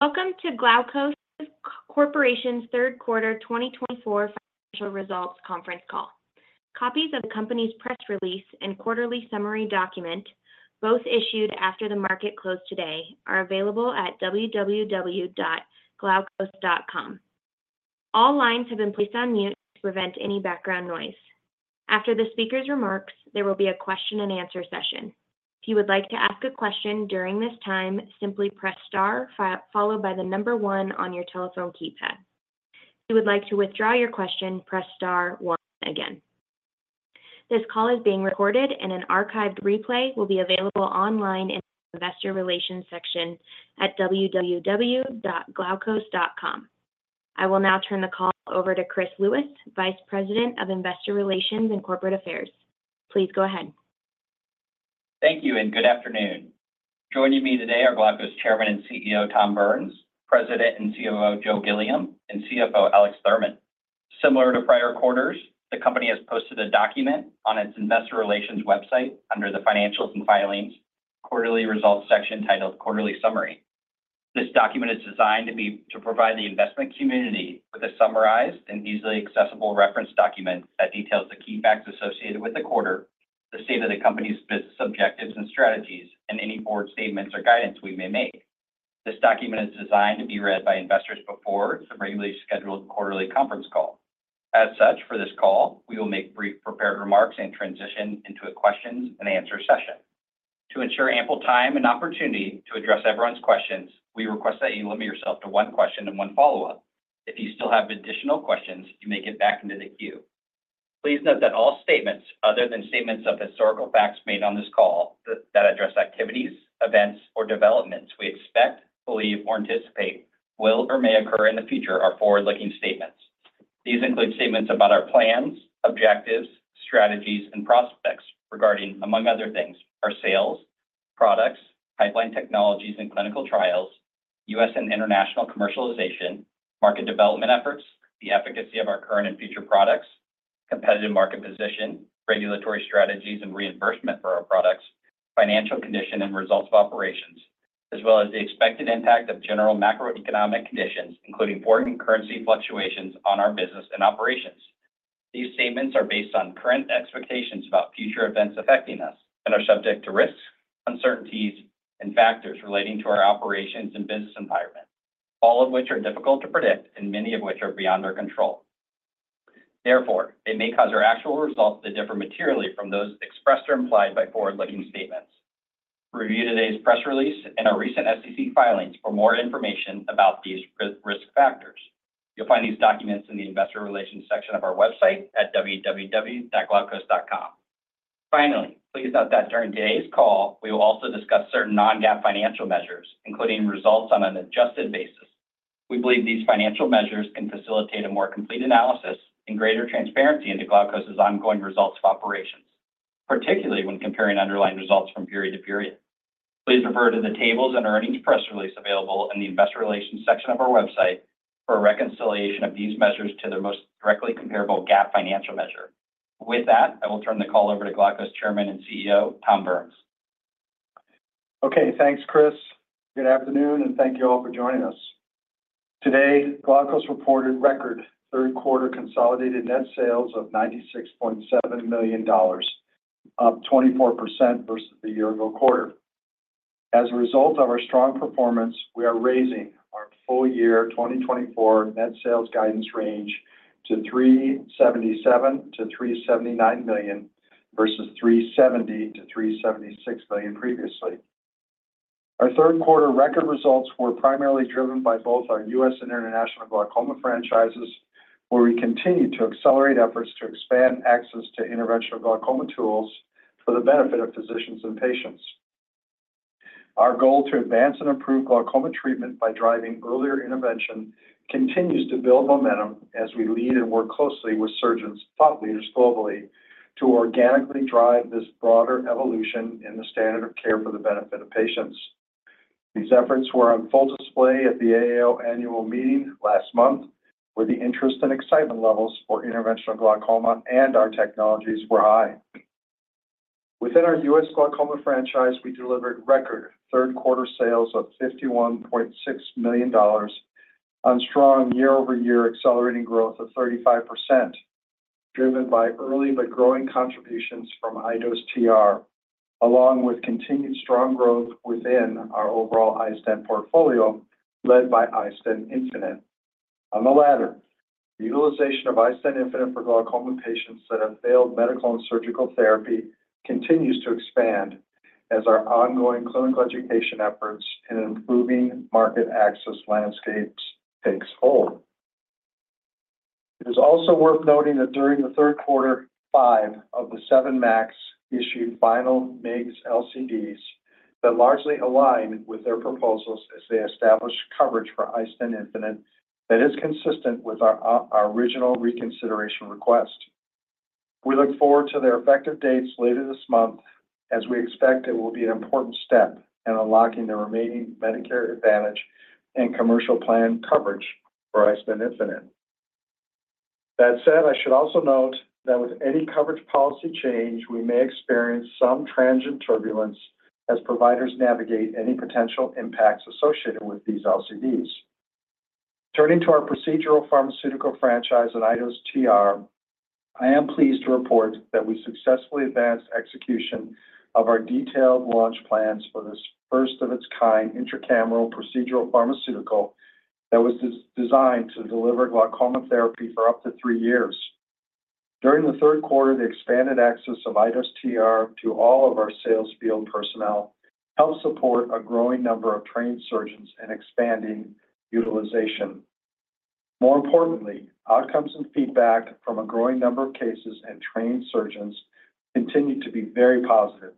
Welcome to Glaukos Corporation's third quarter 2024 financial results conference call. Copies of the company's press release and quarterly summary document, both issued after the market closed today, are available at www.glaukos.com. All lines have been placed on mute to prevent any background noise. After the speaker's remarks, there will be a question-and-answer session. If you would like to ask a question during this time, simply press Star followed by the number one on your telephone keypad. If you would like to withdraw your question, press Star one again. This call is being recorded, and an archived replay will be available online in the investor relations section at www.glaukos.com. I will now turn the call over to Chris Lewis, Vice President of Investor Relations and Corporate Affairs. Please go ahead. Thank you, and good afternoon. Joining me today are Glaukos Chairman and CEO Tom Burns, President and COO Joe Gilliam, and CFO Alex Thurman. Similar to prior quarters, the company has posted a document on its investor relations website under the financials and filings, quarterly results section titled Quarterly Summary. This document is designed to provide the investment community with a summarized and easily accessible reference document that details the key facts associated with the quarter, the state of the company's business objectives and strategies, and any board statements or guidance we may make. This document is designed to be read by investors before the regularly scheduled quarterly conference call. As such, for this call, we will make brief prepared remarks and transition into a questions-and-answer session. To ensure ample time and opportunity to address everyone's questions, we request that you limit yourself to one question and one follow-up. If you still have additional questions, you may get back into the queue. Please note that all statements other than statements of historical facts made on this call that address activities, events, or developments we expect, believe, or anticipate will or may occur in the future are forward-looking statements. These include statements about our plans, objectives, strategies, and prospects regarding, among other things, our sales, products, pipeline technologies and clinical trials, U.S. and international commercialization, market development efforts, the efficacy of our current and future products, competitive market position, regulatory strategies and reimbursement for our products, financial condition and results of operations, as well as the expected impact of general macroeconomic conditions, including foreign currency fluctuations on our business and operations. These statements are based on current expectations about future events affecting us and are subject to risks, uncertainties, and factors relating to our operations and business environment, all of which are difficult to predict and many of which are beyond our control. Therefore, they may cause our actual results to differ materially from those expressed or implied by forward-looking statements. Review today's press release and our recent SEC filings for more information about these risk factors. You'll find these documents in the investor relations section of our website at www.glaukos.com. Finally, please note that during today's call, we will also discuss certain non-GAAP financial measures, including results on an adjusted basis. We believe these financial measures can facilitate a more complete analysis and greater transparency into Glaukos' ongoing results of operations, particularly when comparing underlying results from period to period. Please refer to the tables and earnings press release available in the investor relations section of our website for a reconciliation of these measures to their most directly comparable GAAP financial measure. With that, I will turn the call over to Glaukos Chairman and CEO Tom Burns. Okay, thanks, Chris. Good afternoon, and thank you all for joining us. Today, Glaukos reported record third quarter consolidated net sales of $96.7 million, up 24% versus the year-ago quarter. As a result of our strong performance, we are raising our full-year 2024 net sales guidance range to $377 million-$379 million versus $370 million-$376 million previously. Our third quarter record results were primarily driven by both our U.S. and international glaucoma franchises, where we continue to accelerate efforts to expand access to interventional glaucoma tools for the benefit of physicians and patients. Our goal to advance and improve glaucoma treatment by driving earlier intervention continues to build momentum as we lead and work closely with surgeons and thought leaders globally to organically drive this broader evolution in the standard of care for the benefit of patients. These efforts were on full display at the AAO annual meeting last month, where the interest and excitement levels for interventional glaucoma and our technologies were high. Within our U.S. glaucoma franchise, we delivered record third quarter sales of $51.6 million on strong year-over-year accelerating growth of 35%, driven by early but growing contributions from iDose TR, along with continued strong growth within our overall iStent portfolio led by iStent infinite. On the latter, the utilization of iStent infinite for glaucoma patients that have failed medical and surgical therapy continues to expand as our ongoing clinical education efforts and improving market access landscapes take hold. It is also worth noting that during the third quarter, five of the seven MACs issued final MIGS LCDs that largely aligned with their proposals as they established coverage for iStent infinite that is consistent with our original reconsideration request. We look forward to their effective dates later this month, as we expect it will be an important step in unlocking the remaining Medicare Advantage and commercial plan coverage for iStent infinite. That said, I should also note that with any coverage policy change, we may experience some transient turbulence as providers navigate any potential impacts associated with these LCDs. Turning to our procedural pharmaceutical franchise and iDose TR, I am pleased to report that we successfully advanced execution of our detailed launch plans for this first-of-its-kind intracameral procedural pharmaceutical that was designed to deliver glaucoma therapy for up to three years. During the third quarter, the expanded access of iDose TR to all of our sales field personnel helped support a growing number of trained surgeons and expanding utilization. More importantly, outcomes and feedback from a growing number of cases and trained surgeons continue to be very positive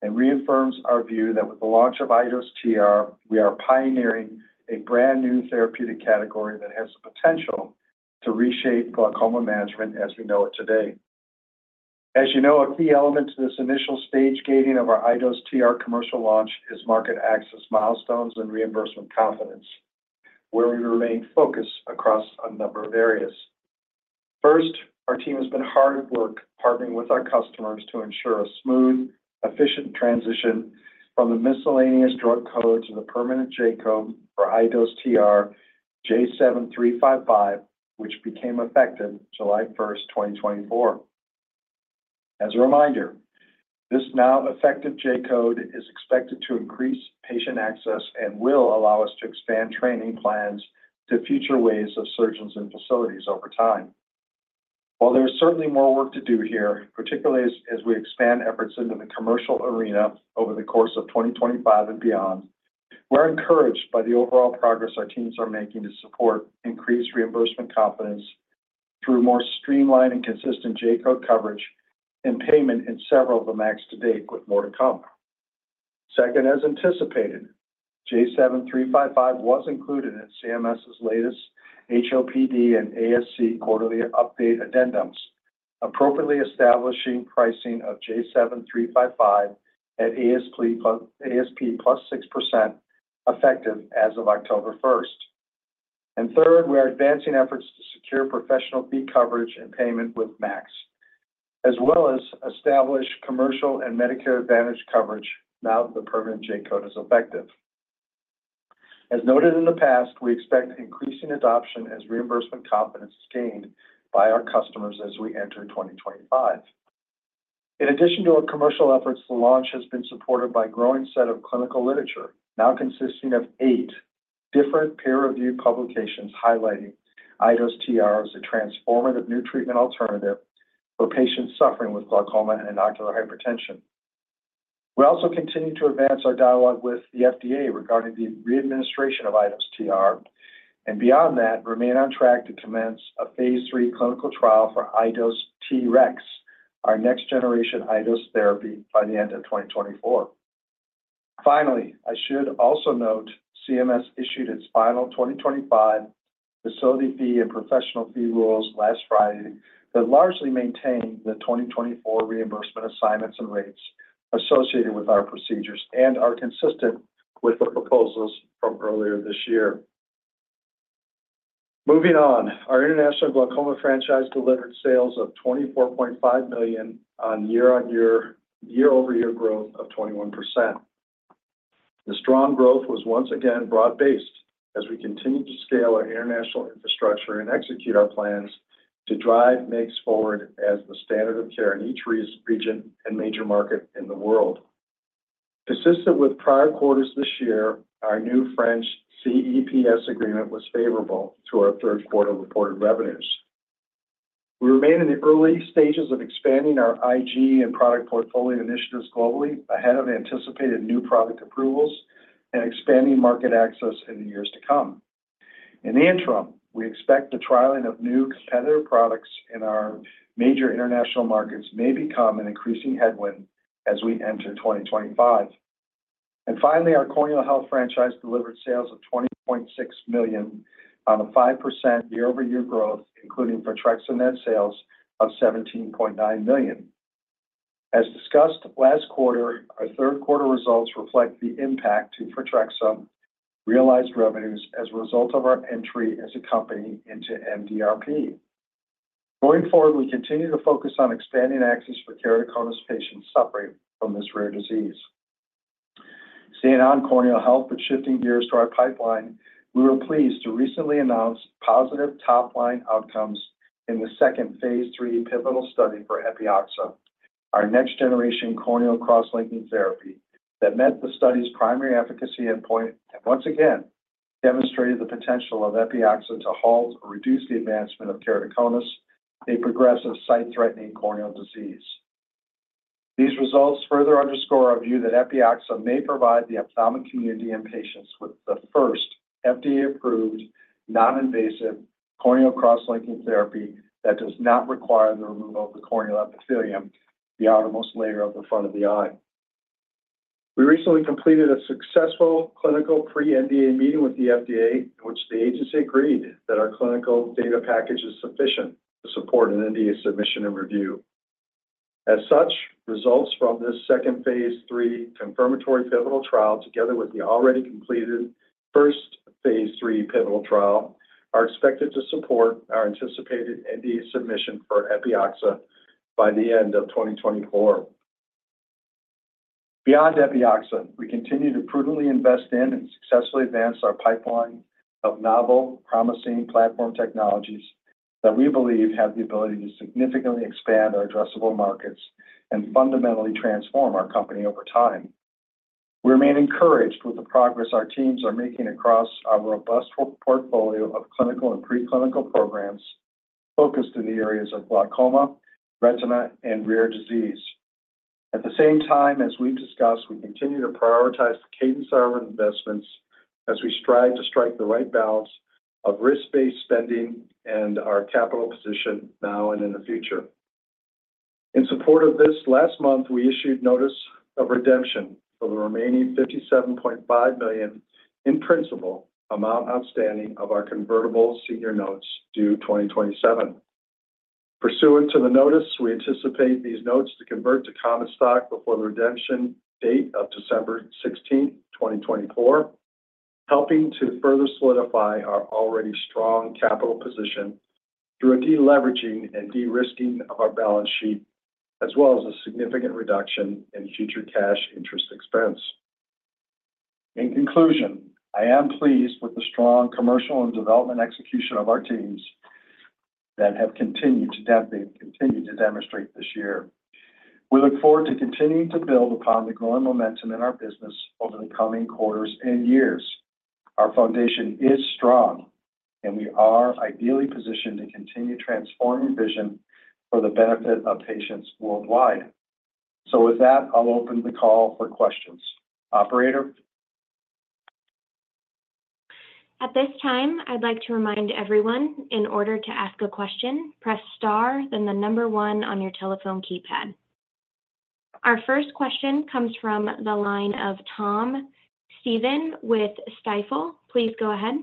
and reaffirm our view that with the launch of iDose TR, we are pioneering a brand new therapeutic category that has the potential to reshape glaucoma management as we know it today. As you know, a key element to this initial stage gating of our iDose TR commercial launch is market access milestones and reimbursement confidence, where we remain focused across a number of areas. First, our team has been hard at work partnering with our customers to ensure a smooth, efficient transition from the miscellaneous drug code to the permanent J-code for iDose TR, J7355, which became effective July 1st, 2024. As a reminder, this now effective J-code is expected to increase patient access and will allow us to expand training plans to future waves of surgeons and facilities over time. While there is certainly more work to do here, particularly as we expand efforts into the commercial arena over the course of 2025 and beyond, we're encouraged by the overall progress our teams are making to support increased reimbursement confidence through more streamlined and consistent J-code coverage and payment in several of the MACs to date, with more to come. Second, as anticipated, J7355 was included in CMS's latest HOPD and ASC quarterly update addendums, appropriately establishing pricing of J7355 at ASP +6% effective as of October 1. Third, we are advancing efforts to secure professional fee coverage and payment with MACs, as well as establish commercial and Medicare Advantage coverage now that the permanent J-code is effective. As noted in the past, we expect increasing adoption as reimbursement confidence is gained by our customers as we enter 2025. In addition to our commercial efforts, the launch has been supported by a growing set of clinical literature, now consisting of eight different peer-reviewed publications highlighting iDose TR as a transformative new treatment alternative for patients suffering with glaucoma and ocular hypertension. We also continue to advance our dialogue with the FDA regarding the readministration of iDose TR, and beyond that, remain on track to commence a phase III clinical trial for iDose TREX, our next-generation iDose therapy, by the end of 2024. Finally, I should also note CMS issued its final 2025 facility fee and professional fee rules last Friday that largely maintain the 2024 reimbursement assignments and rates associated with our procedures and are consistent with the proposals from earlier this year. Moving on, our international glaucoma franchise delivered sales of $24.5 million on year-over-year growth of 21%. The strong growth was once again broad-based as we continue to scale our international infrastructure and execute our plans to drive MIGS forward as the standard of care in each region and major market in the world. Consistent with prior quarters this year, our new French CEPS agreement was favorable to our third quarter reported revenues. We remain in the early stages of expanding our IG and product portfolio initiatives globally ahead of anticipated new product approvals and expanding market access in the years to come. In the interim, we expect the trialing of new competitive products in our major international markets may become an increasing headwind as we enter 2025. Finally, our corneal health franchise delivered sales of $20.6 million on a 5% year-over-year growth, including Photrexa net sales of $17.9 million. As discussed last quarter, our third quarter results reflect the impact to Photrexa realized revenues as a result of our entry as a company into MDRP. Going forward, we continue to focus on expanding access for keratoconus patients suffering from this rare disease. Staying on corneal health, but shifting gears to our pipeline, we were pleased to recently announce positive top-line outcomes in the second phase III pivotal study for Epioxa, our next-generation corneal cross-linking therapy that met the study's primary efficacy endpoint and once again demonstrated the potential of Epioxa to halt or reduce the advancement of keratoconus, a progressive sight-threatening corneal disease. These results further underscore our view that Epioxa may provide the ophthalmic community and patients with the first FDA-approved non-invasive corneal cross-linking therapy that does not require the removal of the corneal epithelium, the outermost layer of the front of the eye. We recently completed a successful clinical pre-NDA meeting with the FDA, in which the agency agreed that our clinical data package is sufficient to support an NDA submission and review. As such, results from this second phase III confirmatory pivotal trial, together with the already completed first phase III pivotal trial, are expected to support our anticipated NDA submission for Epioxa by the end of 2024. Beyond Epioxa, we continue to prudently invest in and successfully advance our pipeline of novel, promising platform technologies that we believe have the ability to significantly expand our addressable markets and fundamentally transform our company over time. We remain encouraged with the progress our teams are making across our robust portfolio of clinical and preclinical programs focused in the areas of glaucoma, retina, and rare disease. At the same time as we've discussed, we continue to prioritize cadence of our investments as we strive to strike the right balance of risk-based spending and our capital position now and in the future. In support of this, last month, we issued notice of redemption for the remaining $57.5 million in principal amount outstanding of our convertible senior notes due 2027. Pursuant to the notice, we anticipate these notes to convert to common stock before the redemption date of December 16th, 2024, helping to further solidify our already strong capital position through a deleveraging and de-risking of our balance sheet, as well as a significant reduction in future cash interest expense. In conclusion, I am pleased with the strong commercial and development execution of our teams that have continued to demonstrate this year. We look forward to continuing to build upon the growing momentum in our business over the coming quarters and years. Our foundation is strong, and we are ideally positioned to continue transforming vision for the benefit of patients worldwide. So with that, I'll open the call for questions. Operator? At this time, I'd like to remind everyone, in order to ask a question, press Star, then the number one on your telephone keypad. Our first question comes from the line of Tom Stephan with Stifel. Please go ahead.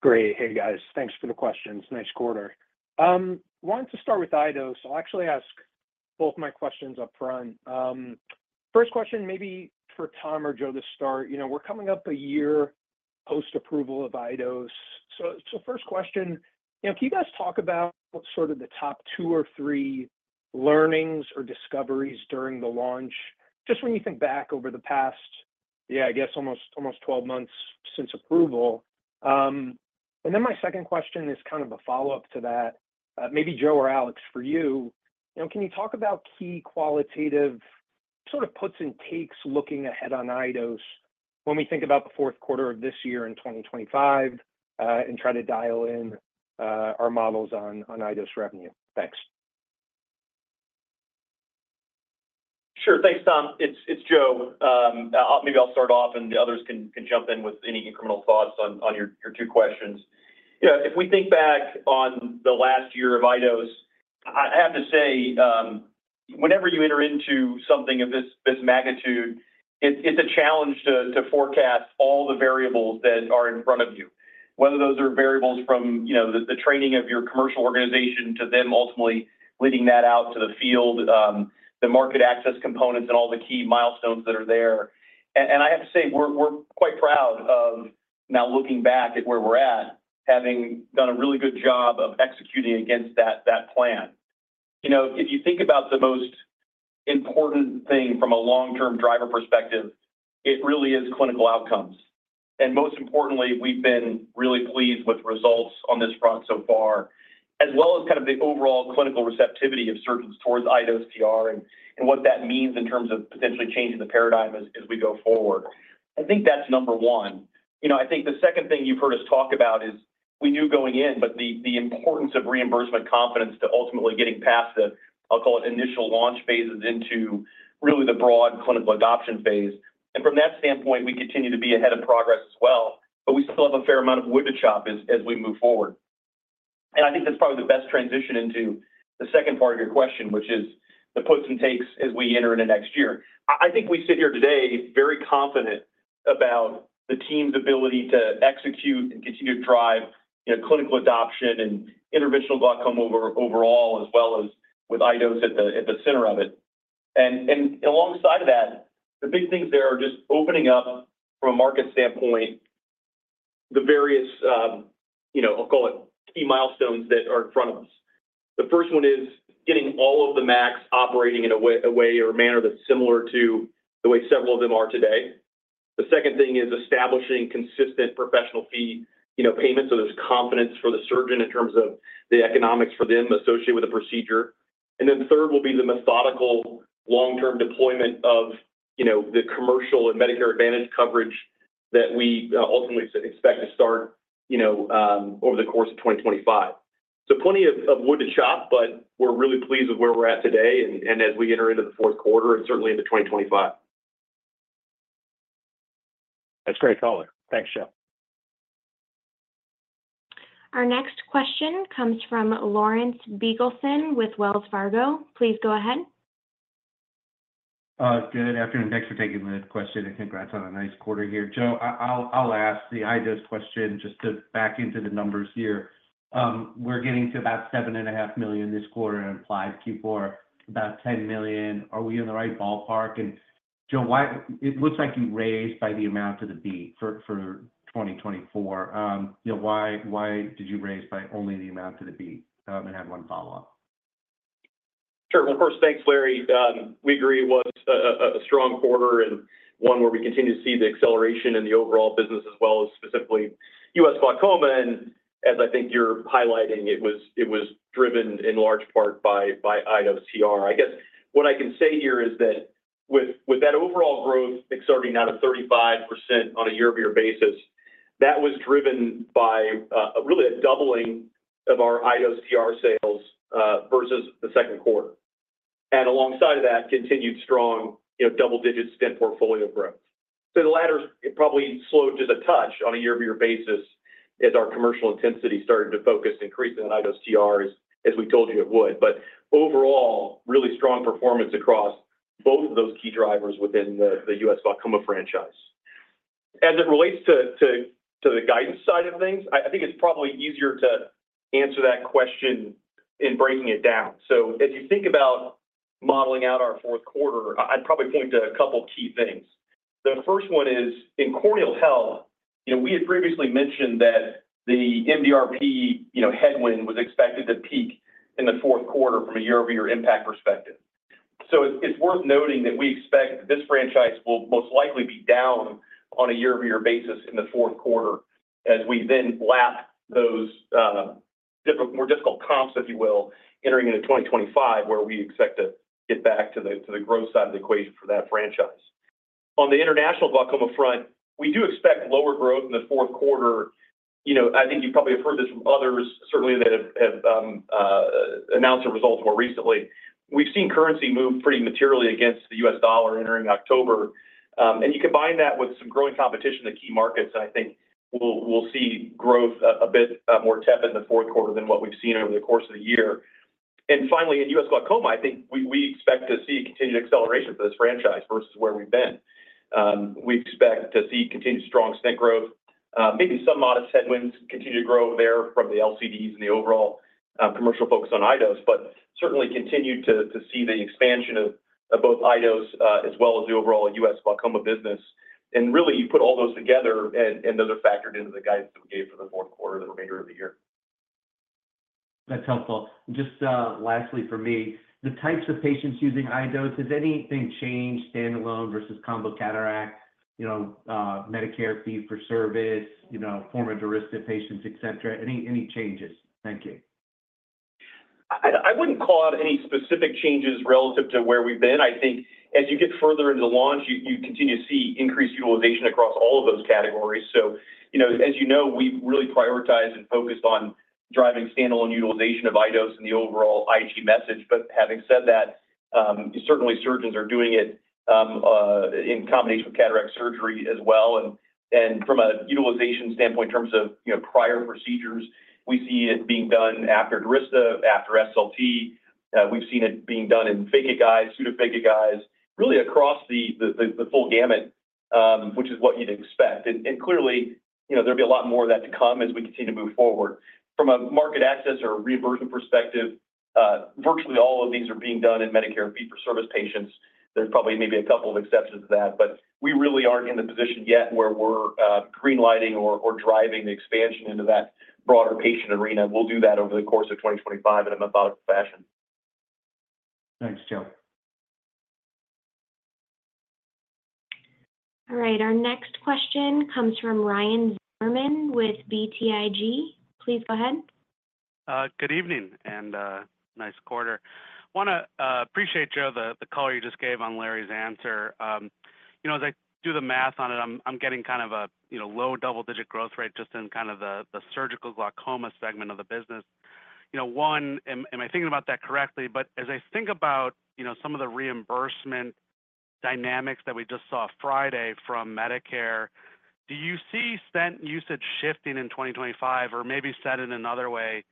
Great. Hey, guys. Thanks for the questions. Nice quarter. I wanted to start with iDose. I'll actually ask both my questions up front. First question, maybe for Tom or Joe to start. You know, we're coming up a year post-approval of iDose. So first question, you know, can you guys talk about sort of the top two or three learnings or discoveries during the launch? Just when you think back over the past, yeah, I guess almost 12 months since approval. And then my second question is kind of a follow-up to that. Maybe Joe or Alex, for you, you know, can you talk about key qualitative sort of puts and takes looking ahead on iDose when we think about the fourth quarter of this year in 2025 and try to dial in our models on iDose revenue? Thanks. Sure. Thanks, Tom. It's Joe. Maybe I'll start off, and the others can jump in with any incremental thoughts on your two questions. You know, if we think back on the last year of iDose, I have to say, whenever you enter into something of this magnitude, it's a challenge to forecast all the variables that are in front of you, whether those are variables from, you know, the training of your commercial organization to them ultimately leading that out to the field, the market access components, and all the key milestones that are there, and I have to say, we're quite proud of now looking back at where we're at, having done a really good job of executing against that plan. You know, if you think about the most important thing from a long-term driver perspective, it really is clinical outcomes. And most importantly, we've been really pleased with results on this front so far, as well as kind of the overall clinical receptivity of surgeons towards iDose TR and what that means in terms of potentially changing the paradigm as we go forward. I think that's number one. You know, I think the second thing you've heard us talk about is we knew going in, but the importance of reimbursement confidence to ultimately getting past the, I'll call it, initial launch phases into really the broad clinical adoption phase. And from that standpoint, we continue to be ahead of progress as well, but we still have a fair amount of wood to chop as we move forward. And I think that's probably the best transition into the second part of your question, which is the puts and takes as we enter into next year. I think we sit here today very confident about the team's ability to execute and continue to drive, you know, clinical adoption and interventional glaucoma overall, as well as with iDose at the center of it. And alongside of that, the big things there are just opening up, from a market standpoint, the various, you know, I'll call it, key milestones that are in front of us. The first one is getting all of the MACs operating in a way or manner that's similar to the way several of them are today. The second thing is establishing consistent professional fee, you know, payment so there's confidence for the surgeon in terms of the economics for them associated with the procedure. And then third will be the methodical long-term deployment of, you know, the commercial and Medicare Advantage coverage that we ultimately expect to start, you know, over the course of 2025. So plenty of wood to chop, but we're really pleased with where we're at today and as we enter into the fourth quarter and certainly into 2025. That's great color. Thanks, Joe. Our next question comes from Larry Biegelsen with Wells Fargo. Please go ahead. Good afternoon. Thanks for taking the question. I think we're on a nice quarter here. Joe, I'll ask the iDose question just to back into the numbers here. We're getting to about $7.5 million this quarter in applied Q4, about $10 million. Are we in the right ballpark? And Joe, why it looks like you raised by the amount to the beat for 2024. You know, why did you raise by only the amount to the beat? And I have one follow-up. Sure. Well, first, thanks, Larry. We agree it was a strong quarter and one where we continue to see the acceleration in the overall business, as well as specifically U.S. glaucoma. And as I think you're highlighting, it was driven in large part by iDose TR. I guess what I can say here is that with that overall growth exceeding 35% on a year-over-year basis, that was driven by really a doubling of our iDose TR sales versus the second quarter. And alongside of that, continued strong, you know, double-digit iStent portfolio growth. So the latter probably slowed just a touch on a year-over-year basis as our commercial intensity started to focus increasingly on iDose TR, as we told you it would. But overall, really strong performance across both of those key drivers within the U.S. glaucoma franchise. As it relates to the guidance side of things, I think it's probably easier to answer that question in breaking it down, so as you think about modeling out our fourth quarter, I'd probably point to a couple of key things. The first one is, in corneal health, you know, we had previously mentioned that the MDRP, you know, headwind was expected to peak in the fourth quarter from a year-over-year impact perspective, so it's worth noting that we expect this franchise will most likely be down on a year-over-year basis in the fourth quarter as we then lap those more difficult comps, if you will, entering into 2025, where we expect to get back to the growth side of the equation for that franchise. On the international glaucoma front, we do expect lower growth in the fourth quarter. You know, I think you probably have heard this from others, certainly that have announced the results more recently. We've seen currency move pretty materially against the U.S. dollar entering October, and you combine that with some growing competition in the key markets. I think we'll see growth a bit more tepid in the fourth quarter than what we've seen over the course of the year, and finally, in U.S. glaucoma, I think we expect to see a continued acceleration for this franchise versus where we've been. We expect to see continued strong iStent growth, maybe some modest headwinds continue to grow there from the LCDs and the overall commercial focus on iDose, but certainly continue to see the expansion of both iDose as well as the overall U.S. glaucoma business. Really, you put all those together, and those are factored into the guidance that we gave for the fourth quarter and the remainder of the year. That's helpful. Just lastly for me, the types of patients using iDose, has anything changed standalone versus combo cataract, you know, Medicare Fee-For-Service, you know, former Durysta patients, et cetera? Any changes? Thank you. I wouldn't call out any specific changes relative to where we've been. I think as you get further into the launch, you continue to see increased utilization across all of those categories. So, you know, as you know, we've really prioritized and focused on driving standalone utilization of iDose and the overall IG message. But having said that, certainly surgeons are doing it in combination with cataract surgery as well. And from a utilization standpoint, in terms of, you know, prior procedures, we see it being done after Durysta, after SLT. We've seen it being done in phakic eyes, pseudophakic eyes, really across the full gamut, which is what you'd expect. And clearly, you know, there'll be a lot more of that to come as we continue to move forward. From a market access or reimbursement perspective, virtually all of these are being done in Medicare Fee-For-Service patients. There's probably maybe a couple of exceptions to that, but we really aren't in the position yet where we're greenlighting or driving the expansion into that broader patient arena. We'll do that over the course of 2025 in a methodical fashion. Thanks, Joe. All right. Our next question comes from Ryan Zimmerman with BTIG. Please go ahead. Good evening and nice quarter. I want to appreciate, Joe, the color you just gave on Larry's answer. You know, as I do the math on it, I'm getting kind of a, you know, low double-digit growth rate just in kind of the surgical glaucoma segment of the business. You know, one, am I thinking about that correctly? But as I think about, you know, some of the reimbursement dynamics that we just saw Friday from Medicare, do you see stent usage shifting in 2025? Or maybe said it another way,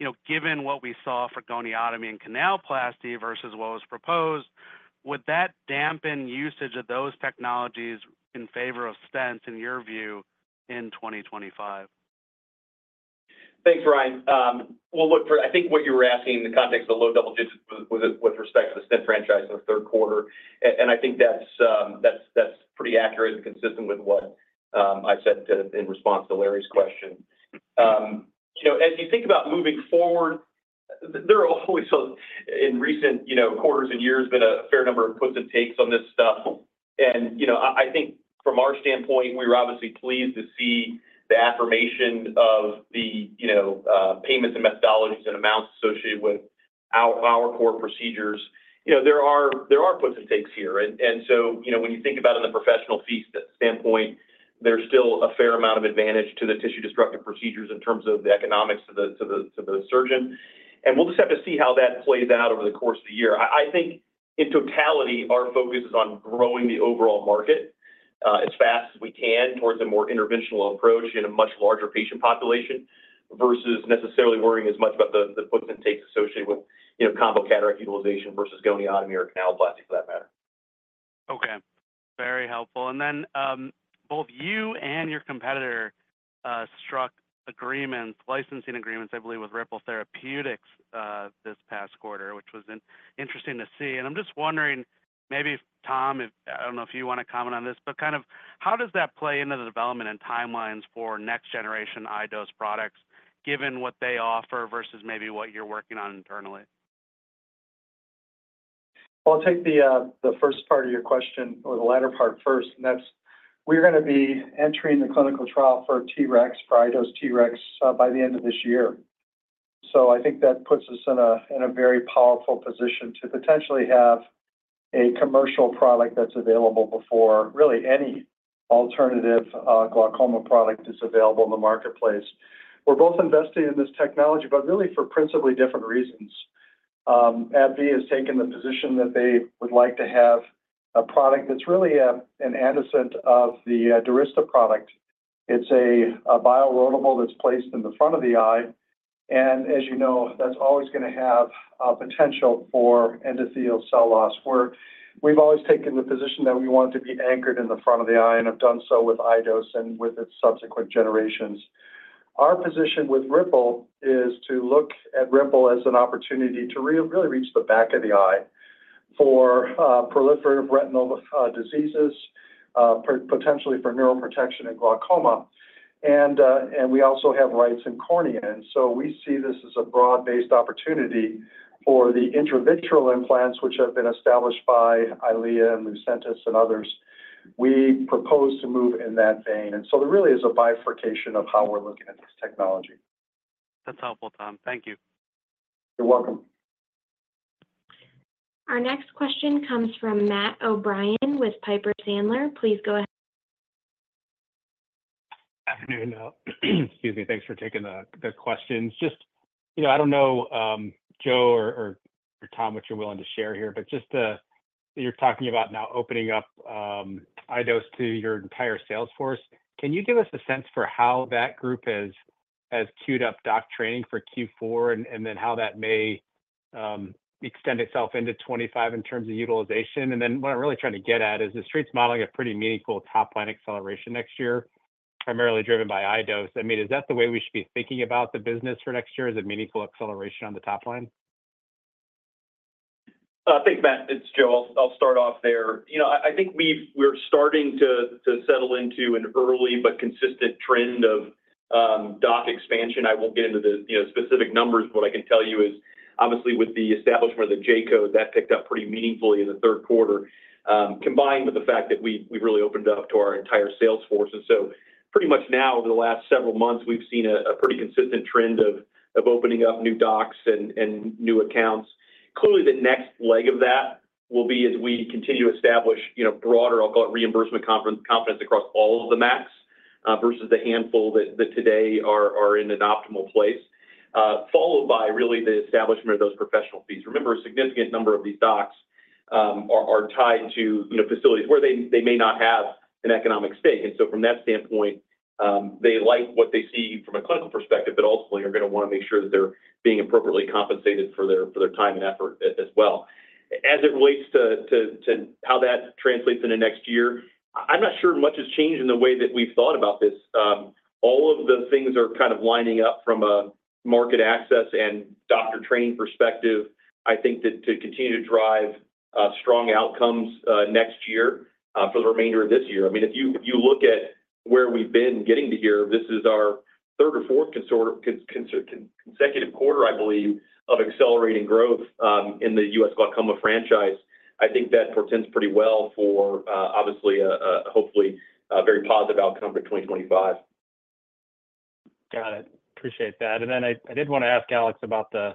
you know, given what we saw for goniotomy and canalplasty versus what was proposed, would that dampen usage of those technologies in favor of stents in your view in 2025? Thanks, Ryan. We'll look for, I think, what you were asking in the context of the low double digits with respect to the stent franchise in the third quarter. And I think that's pretty accurate and consistent with what I said in response to Larry's question. You know, as you think about moving forward, there are always, in recent, you know, quarters and years, been a fair number of puts and takes on this stuff. And, you know, I think from our standpoint, we were obviously pleased to see the affirmation of the, you know, payments and methodologies and amounts associated with our core procedures. You know, there are puts and takes here. And so, you know, when you think about it in the professional fee standpoint, there's still a fair amount of advantage to the tissue destructive procedures in terms of the economics to the surgeon. We'll just have to see how that plays out over the course of the year. I think in totality, our focus is on growing the overall market as fast as we can towards a more interventional approach in a much larger patient population versus necessarily worrying as much about the puts and takes associated with, you know, combo cataract utilization versus goniotomy or canaloplasty for that matter. Okay. Very helpful. And then both you and your competitor struck agreements, licensing agreements, I believe, with Ripple Therapeutics this past quarter, which was interesting to see. And I'm just wondering, maybe Tom, I don't know if you want to comment on this, but kind of how does that play into the development and timelines for next-generation iDose products, given what they offer versus maybe what you're working on internally? I'll take the first part of your question or the latter part first. And that's we're going to be entering the clinical trial for T-REX, for iDose T-REX, by the end of this year. So I think that puts us in a very powerful position to potentially have a commercial product that's available before really any alternative glaucoma product is available in the marketplace. We're both investing in this technology, but really for principally different reasons. AbbVie has taken the position that they would like to have a product that's really an antecedent of the Durysta product. It's a biodegradable that's placed in the front of the eye. And as you know, that's always going to have potential for endothelial cell loss. We've always taken the position that we want it to be anchored in the front of the eye and have done so with iDose and with its subsequent generations. Our position with Ripple is to look at Ripple as an opportunity to really reach the back of the eye for proliferative retinal diseases, potentially for neuroprotection and glaucoma. And we also have iStent and cornea. And so we see this as a broad-based opportunity for the intravitreal implants, which have been established by Eylea and Lucentis and others. We propose to move in that vein. And so there really is a bifurcation of how we're looking at this technology. That's helpful, Tom. Thank you. You're welcome. Our next question comes from Matt O'Brien with Piper Sandler. Please go ahead. Afternoon. Excuse me. Thanks for taking the questions. Just, you know, I don't know, Joe or Tom, what you're willing to share here, but just that you're talking about now opening up iDose to your entire salesforce. Can you give us a sense for how that group has queued up doc training for Q4 and then how that may extend itself into 2025 in terms of utilization? And then what I'm really trying to get at is the streets modeling a pretty meaningful top-line acceleration next year, primarily driven by iDose. I mean, is that the way we should be thinking about the business for next year? Is it a meaningful acceleration on the top line? I think, Matt, it's Joe. I'll start off there. You know, I think we're starting to settle into an early but consistent trend of doc expansion. I won't get into the, you know, specific numbers. What I can tell you is obviously with the establishment of the J-code, that picked up pretty meaningfully in the third quarter, combined with the fact that we've really opened up to our entire sales force. And so pretty much now, over the last several months, we've seen a pretty consistent trend of opening up new docs and new accounts. Clearly, the next leg of that will be as we continue to establish, you know, broader, I'll call it reimbursement confidence across all of the MACs versus the handful that today are in an optimal place, followed by really the establishment of those professional fees. Remember, a significant number of these docs are tied to, you know, facilities where they may not have an economic stake, and so from that standpoint, they like what they see from a clinical perspective, but ultimately are going to want to make sure that they're being appropriately compensated for their time and effort as well. As it relates to how that translates into next year, I'm not sure much has changed in the way that we've thought about this. All of the things are kind of lining up from a market access and doctor training perspective. I think that to continue to drive strong outcomes next year for the remainder of this year. I mean, if you look at where we've been getting to here, this is our third or fourth consecutive quarter, I believe, of accelerating growth in the U.S. glaucoma franchise. I think that portends pretty well for obviously, hopefully, a very positive outcome for 2025. Got it. Appreciate that. And then I did want to ask Alex about the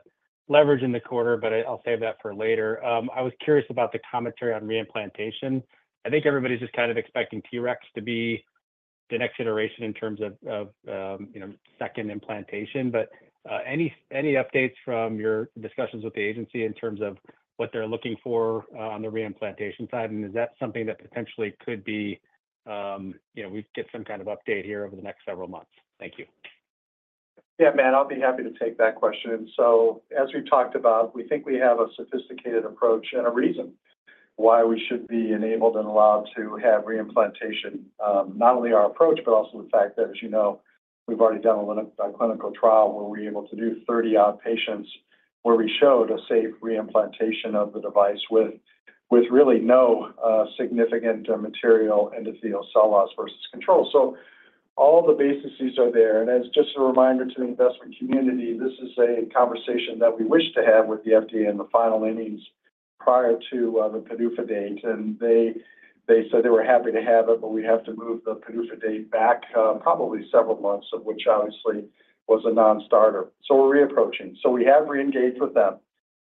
leverage in the quarter, but I'll save that for later. I was curious about the commentary on reimplantation. I think everybody's just kind of expecting T-REX to be the next iteration in terms of, you know, second implantation. But any updates from your discussions with the agency in terms of what they're looking for on the reimplantation side? And is that something that potentially could be, you know, we get some kind of update here over the next several months? Thank you. Yeah, Matt, I'll be happy to take that question. So as we've talked about, we think we have a sophisticated approach and a reason why we should be enabled and allowed to have reimplantation, not only our approach, but also the fact that, as you know, we've already done a clinical trial where we were able to do 30-odd patients where we showed a safe reimplantation of the device with really no significant material endothelial cell loss versus control. So all the bases are there. And as just a reminder to the investment community, this is a conversation that we wish to have with the FDA in the final innings prior to the PDUFA date. And they said they were happy to have it, but we have to move the PDUFA date back probably several months, which obviously was a non-starter. So we're reapproaching. So we have re-engaged with them.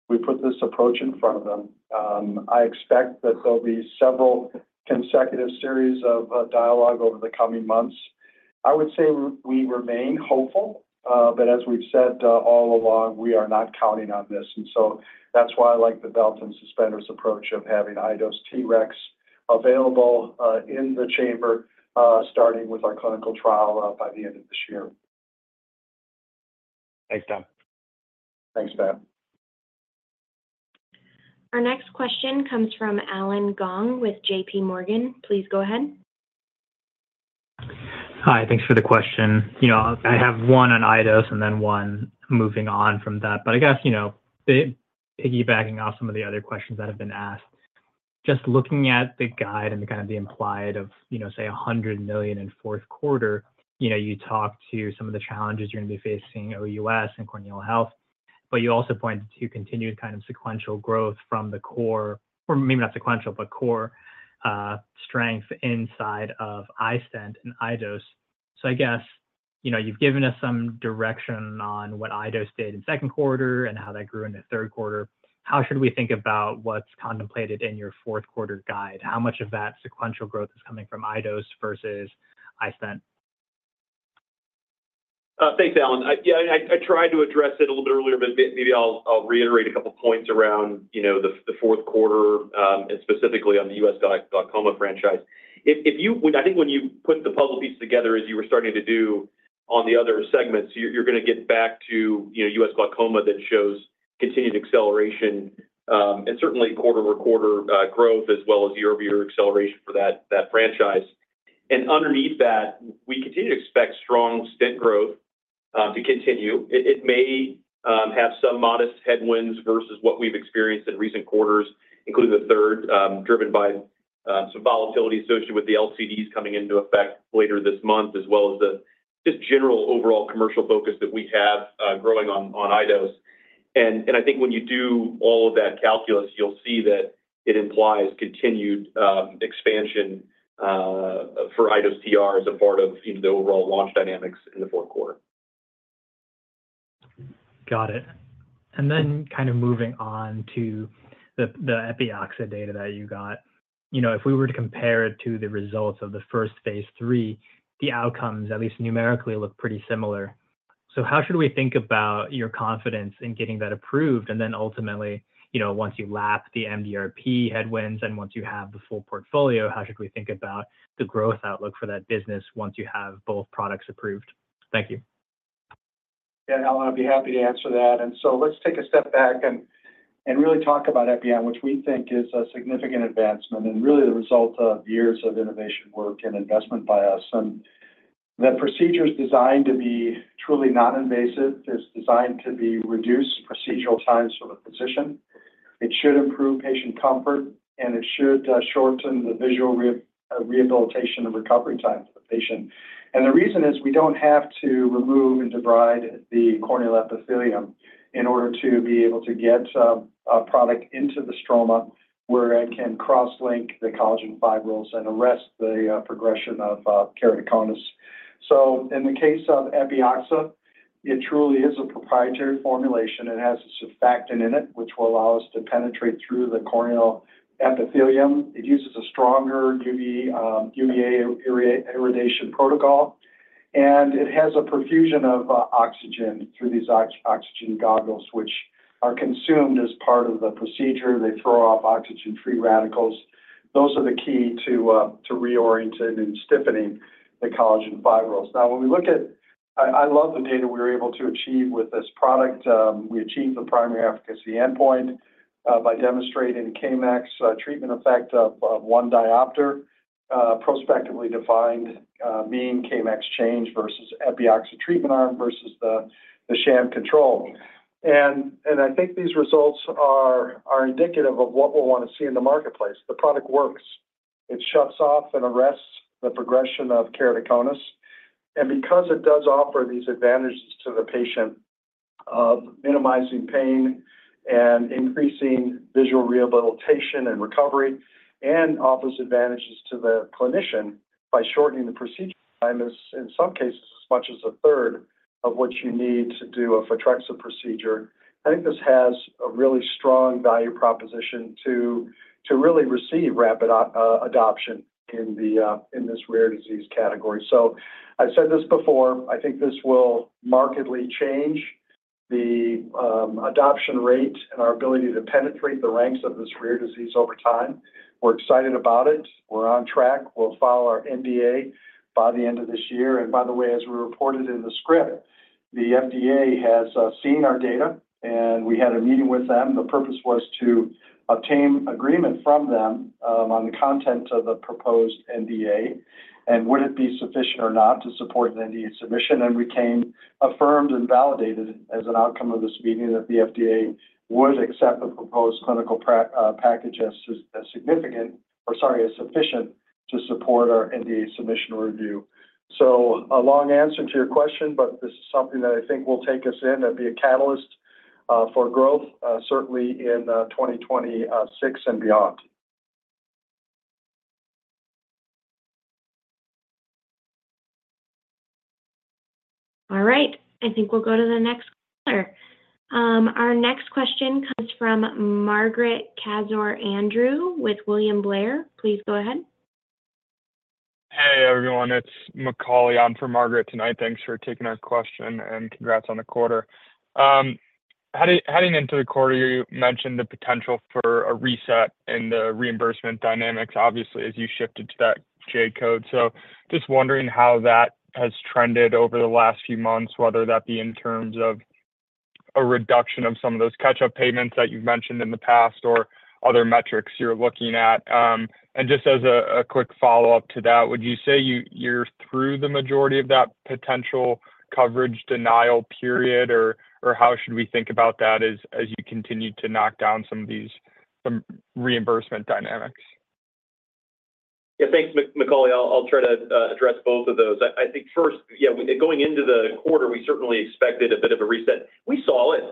We put this approach in front of them. I expect that there'll be several consecutive series of dialogue over the coming months. I would say we remain hopeful, but as we've said all along, we are not counting on this. And so that's why I like the belt and suspenders approach of having iDose T-REX available in the chamber, starting with our clinical trial by the end of this year. Thanks, Tom. Thanks, Matt. Our next question comes from Allen Gong with JPMorgan. Please go ahead. Hi, thanks for the question. You know, I have one on iDose and then one moving on from that. But I guess, you know, piggybacking off some of the other questions that have been asked, just looking at the guide and the kind of the implied of, you know, say $100 million in fourth quarter, you know, you talked to some of the challenges you're going to be facing OUS and corneal health, but you also pointed to continued kind of sequential growth from the core, or maybe not sequential, but core strength inside of iStent and iDose. So I guess, you know, you've given us some direction on what iDose did in second quarter and how that grew in the third quarter. How should we think about what's contemplated in your fourth quarter guide? How much of that sequential growth is coming from iDose versus iStent? Thanks, Allen. Yeah, I tried to address it a little bit earlier, but maybe I'll reiterate a couple of points around, you know, the fourth quarter and specifically on the U.S. glaucoma franchise. If you, I think when you put the puzzle pieces together as you were starting to do on the other segments, you're going to get back to, you know, U.S. glaucoma that shows continued acceleration and certainly quarter-over-quarter growth as well as year-over-year acceleration for that franchise. And underneath that, we continue to expect strong stent growth to continue. It may have some modest headwinds versus what we've experienced in recent quarters, including the third, driven by some volatility associated with the LCDs coming into effect later this month, as well as the just general overall commercial focus that we have growing on iDose. And I think when you do all of that calculus, you'll see that it implies continued expansion for iDose TR as a part of, you know, the overall launch dynamics in the fourth quarter. Got it. And then kind of moving on to the Epioxa data that you got, you know, if we were to compare it to the results of the first phase III, the outcomes, at least numerically, look pretty similar. So how should we think about your confidence in getting that approved? And then ultimately, you know, once you lap the MDRP headwinds and once you have the full portfolio, how should we think about the growth outlook for that business once you have both products approved? Thank you. Yeah, Allen, I'd be happy to answer that. And so let's take a step back and really talk about Epi-on, which we think is a significant advancement and really the result of years of innovation work and investment by us. And the procedure is designed to be truly non-invasive. It's designed to reduce procedural time for the physician. It should improve patient comfort, and it should shorten the visual rehabilitation and recovery time for the patient. And the reason is we don't have to remove and debride the corneal epithelium in order to be able to get a product into the stroma where it can cross-link the collagen fibrils and arrest the progression of keratoconus. So in the case of Epioxa, it truly is a proprietary formulation. It has a surfactant in it, which will allow us to penetrate through the corneal epithelium. It uses a stronger UVA irradiation protocol. And it has a profusion of oxygen through these oxygen goggles, which are consumed as part of the procedure. They throw off oxygen-free radicals. Those are the key to reorienting and stiffening the collagen fibrils. Now, when we look at, I love the data we were able to achieve with this product. We achieved the primary efficacy endpoint by demonstrating the Kmax treatment effect of one diopter, prospectively defined mean Kmax change versus Epioxa treatment arm versus the sham control. And I think these results are indicative of what we'll want to see in the marketplace. The product works. It shuts off and arrests the progression of keratoconus. Because it does offer these advantages to the patient of minimizing pain and increasing visual rehabilitation and recovery and offers advantages to the clinician by shortening the procedure time in some cases as much as a third of what you need to do a Photrexa procedure, I think this has a really strong value proposition to really receive rapid adoption in this rare disease category. I've said this before. I think this will markedly change the adoption rate and our ability to penetrate the ranks of this rare disease over time. We're excited about it. We're on track. We'll file our NDA by the end of this year. By the way, as we reported in the script, the FDA has seen our data, and we had a meeting with them. The purpose was to obtain agreement from them on the content of the proposed NDA and would it be sufficient or not to support an NDA submission. And we came away affirmed and validated as an outcome of this meeting that the FDA would accept the proposed clinical package as significant or, sorry, as sufficient to support our NDA submission review. So a long answer to your question, but this is something that I think will take us into and be a catalyst for growth, certainly in 2026 and beyond. All right. I think we'll go to the next caller. Our next question comes from Margaret Kaczor Andrew with William Blair. Please go ahead. Hey, everyone. It's Macauley. I'm from Margaret tonight. Thanks for taking our question and congrats on the quarter. Heading into the quarter, you mentioned the potential for a reset in the reimbursement dynamics, obviously, as you shifted to that J-code. So just wondering how that has trended over the last few months, whether that be in terms of a reduction of some of those catch-up payments that you've mentioned in the past or other metrics you're looking at. And just as a quick follow-up to that, would you say you're through the majority of that potential coverage denial period, or how should we think about that as you continue to knock down some of these reimbursement dynamics? Yeah, thanks, Macauley. I'll try to address both of those. I think first, yeah, going into the quarter, we certainly expected a bit of a reset. We saw it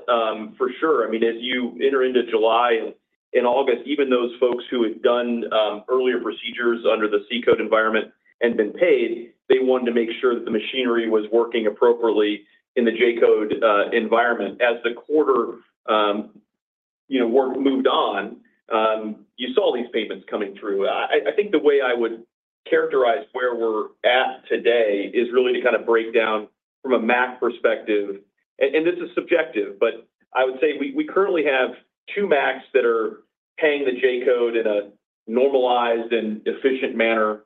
for sure. I mean, as you enter into July and August, even those folks who had done earlier procedures under the C code environment and been paid, they wanted to make sure that the machinery was working appropriately in the J-code environment. As the quarter, you know, moved on, you saw these payments coming through. I think the way I would characterize where we're at today is really to kind of break down from a MAC perspective. This is subjective, but I would say we currently have two MACs that are paying the J-code in a normalized and efficient manner.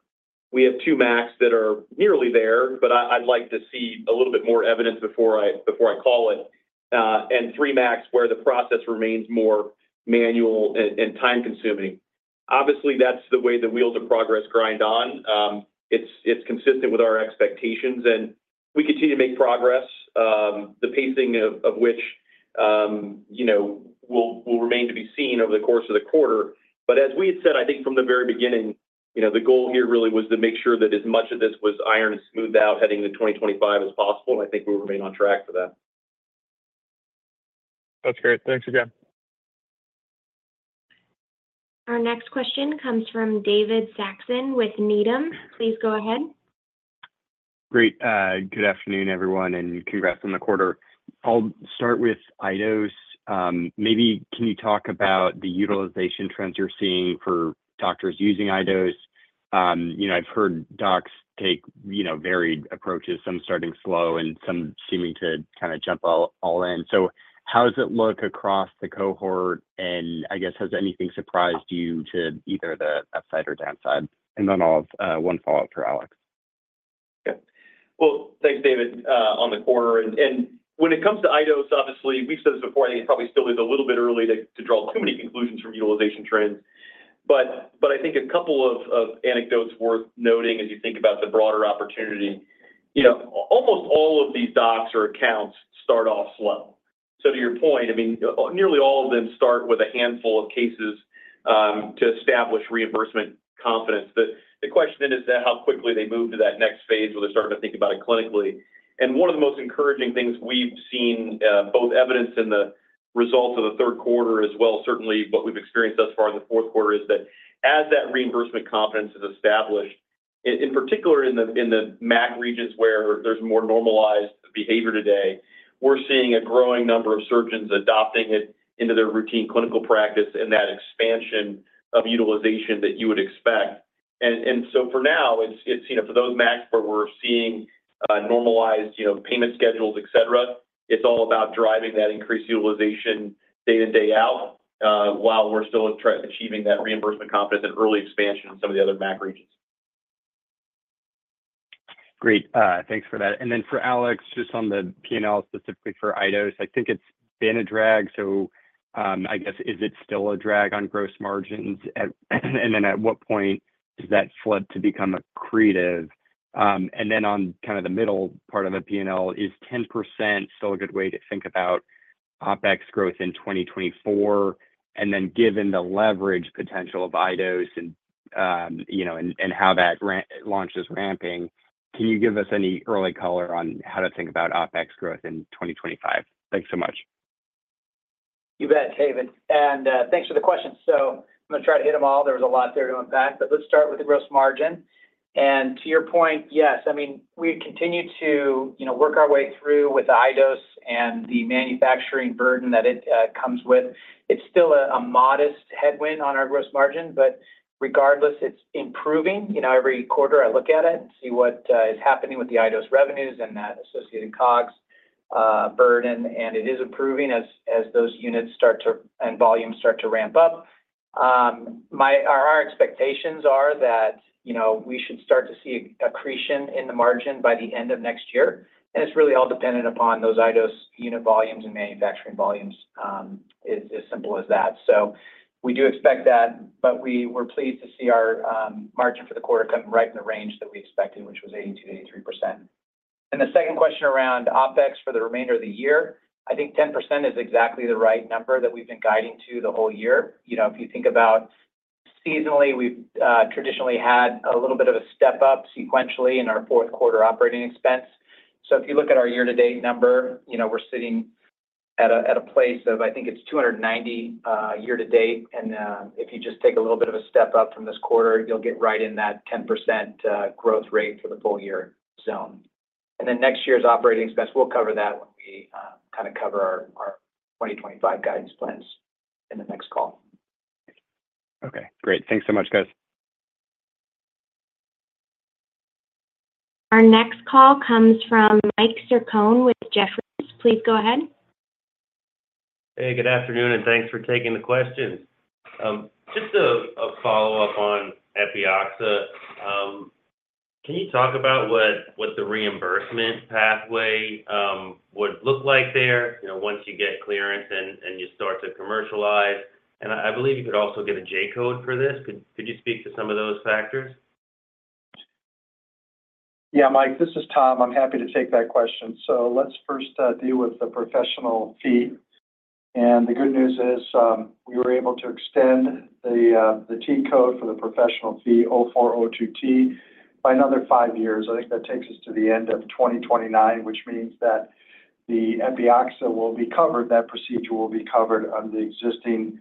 We have two MACs that are nearly there, but I'd like to see a little bit more evidence before I call it, and three MACs where the process remains more manual and time-consuming. Obviously, that's the way the wheels of progress grind on. It's consistent with our expectations, and we continue to make progress, the pacing of which, you know, will remain to be seen over the course of the quarter. But as we had said, I think from the very beginning, you know, the goal here really was to make sure that as much of this was ironed and smoothed out heading into 2025 as possible. And I think we'll remain on track for that. That's great. Thanks again. Our next question comes from David Saxon with Needham. Please go ahead. Great. Good afternoon, everyone, and congrats on the quarter. I'll start with iDose. Maybe can you talk about the utilization trends you're seeing for doctors using iDose? You know, I've heard docs take, you know, varied approaches, some starting slow and some seeming to kind of jump all in. So how does it look across the cohort? And I guess, has anything surprised you to either the upside or downside? And then I'll have one follow-up for Alex. Yeah. Well, thanks, David, on the quarter and when it comes to iDose, obviously, we've said this before. I think it probably still is a little bit early to draw too many conclusions from utilization trends, but I think a couple of anecdotes worth noting as you think about the broader opportunity. You know, almost all of these docs or accounts start off slow, so to your point, I mean, nearly all of them start with a handful of cases to establish reimbursement confidence. The question then is how quickly they move to that next phase where they're starting to think about it clinically. One of the most encouraging things we've seen, both evidence in the results of the third quarter as well, certainly what we've experienced thus far in the fourth quarter, is that as that reimbursement confidence is established, in particular in the MAC regions where there's more normalized behavior today, we're seeing a growing number of surgeons adopting it into their routine clinical practice and that expansion of utilization that you would expect. So for now, it's, you know, for those MACs where we're seeing normalized, you know, payment schedules, et cetera, it's all about driving that increased utilization day in and day out while we're still achieving that reimbursement confidence and early expansion in some of the other MAC regions. Great. Thanks for that. And then for Alex, just on the P&L specifically for iDose, I think it's been a drag. So I guess, is it still a drag on gross margins? And then at what point does that flip to become an accretive? And then on kind of the middle part of the P&L, is 10% still a good way to think about OpEx growth in 2024? And then given the leverage potential of iDose and, you know, and how that launch is ramping, can you give us any early color on how to think about OpEx growth in 2025? Thanks so much. You bet, David. And thanks for the question. So I'm going to try to hit them all. There was a lot there to unpack, but let's start with the gross margin. And to your point, yes, I mean, we continue to, you know, work our way through with iDose and the manufacturing burden that it comes with. It's still a modest headwind on our gross margin, but regardless, it's improving. You know, every quarter I look at it and see what is happening with the iDose revenues and that associated COGS burden, and it is improving as those units start to and volumes start to ramp up. Our expectations are that, you know, we should start to see accretion in the margin by the end of next year. And it's really all dependent upon those iDose unit volumes and manufacturing volumes, as simple as that. So we do expect that, but we're pleased to see our margin for the quarter coming right in the range that we expected, which was 82%-83%. And the second question around OpEx for the remainder of the year, I think 10% is exactly the right number that we've been guiding to the whole year. You know, if you think about seasonally, we've traditionally had a little bit of a step up sequentially in our fourth quarter operating expense. So if you look at our year-to-date number, you know, we're sitting at a place of, I think it's 290 year-to-date. And if you just take a little bit of a step up from this quarter, you'll get right in that 10% growth rate for the full year zone. And then next year's operating expense, we'll cover that when we kind of cover our 2025 guidance plans in the next call. Okay. Great. Thanks so much, guys. Our next call comes from Mike Sarcone with Jefferies. Please go ahead. Hey, good afternoon, and thanks for taking the question. Just a follow-up on Epioxa. Can you talk about what the reimbursement pathway would look like there, you know, once you get clearance and you start to commercialize? And I believe you could also get a J-code for this. Could you speak to some of those factors? Yeah, Mike, this is Tom. I'm happy to take that question. So let's first deal with the professional fee. And the good news is we were able to extend the T-code for the professional fee, 0402T, by another five years. I think that takes us to the end of 2029, which means that the Epioxa will be covered, that procedure will be covered under the existing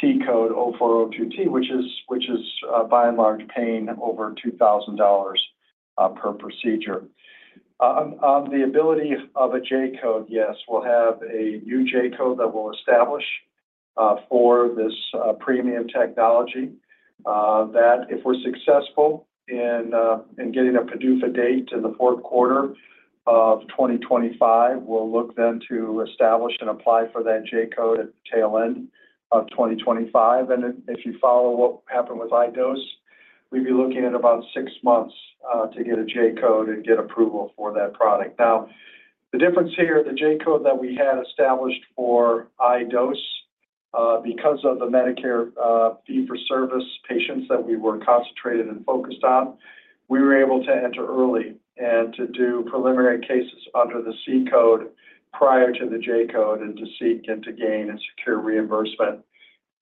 T-code 0402T, which is, by and large, paying over $2,000 per procedure. The ability of a J-code, yes, we'll have a new J-code that we'll establish for this premium technology. That if we're successful in getting a PDUFA date in the fourth quarter of 2025, we'll look then to establish and apply for that J-code at the tail end of 2025. And if you follow what happened with iDose, we'd be looking at about six months to get a J-code and get approval for that product. Now, the difference here, the J-code that we had established for iDose, because of the Medicare Fee-For-Service patients that we were concentrated and focused on, we were able to enter early and to do preliminary cases under the C code prior to the J-code and to seek and to gain and secure reimbursement.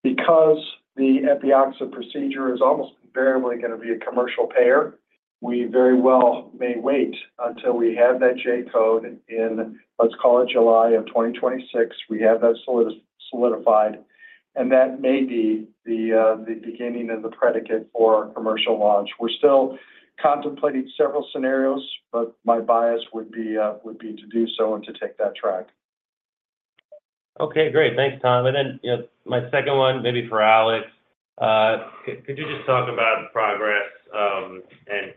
Because the Epioxa procedure is almost invariably going to be a commercial payer, we very well may wait until we have that J-code in, let's call it July of 2026, we have that solidified, and that may be the beginning of the predicate for our commercial launch. We're still contemplating several scenarios, but my bias would be to do so and to take that track. Okay. Great. Thanks, Tom. And then, you know, my second one, maybe for Alex, could you just talk about progress and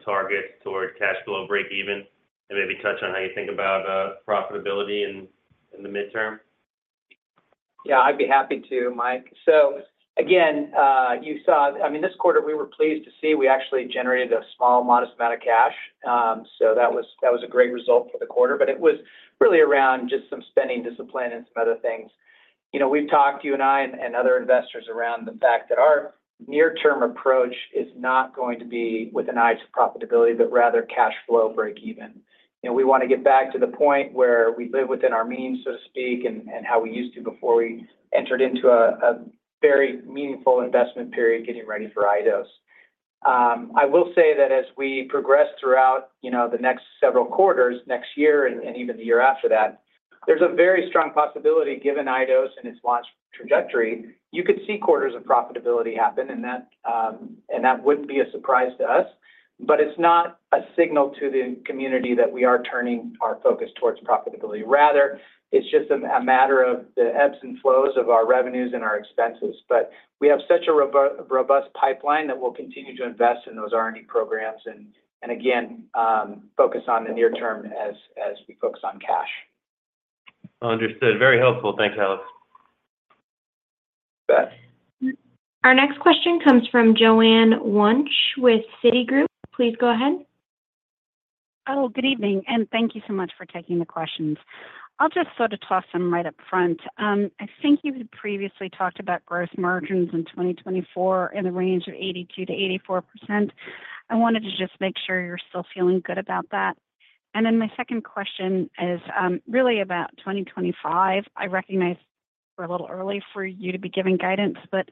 targets toward cash flow break-even and maybe touch on how you think about profitability in the mid-term? Yeah, I'd be happy to, Mike. So again, you saw, I mean, this quarter, we were pleased to see we actually generated a small, modest amount of cash. So that was a great result for the quarter, but it was really around just some spending discipline and some other things. You know, we've talked, you and I and other investors around the fact that our near-term approach is not going to be with an eye to profitability, but rather cash flow break-even. You know, we want to get back to the point where we live within our means, so to speak, and how we used to before we entered into a very meaningful investment period getting ready for iDose. I will say that as we progress throughout, you know, the next several quarters, next year, and even the year after that, there's a very strong possibility given iDose and its launch trajectory, you could see quarters of profitability happen, and that wouldn't be a surprise to us. But it's not a signal to the community that we are turning our focus towards profitability. Rather, it's just a matter of the ebbs and flows of our revenues and our expenses. But we have such a robust pipeline that we'll continue to invest in those R&D programs and, again, focus on the near-term as we focus on cash. Understood. Very helpful. Thanks, Alex. Our next question comes from Joanne Wuensch with Citigroup. Please go ahead. Oh, good evening, and thank you so much for taking the questions. I'll just sort of toss them right up front. I think you've previously talked about gross margins in 2024 in the range of 82%-84%. I wanted to just make sure you're still feeling good about that. And then my second question is really about 2025. I recognize we're a little early for you to be giving guidance, but